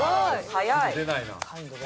早い！